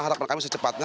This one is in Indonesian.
harapan kami secepatnya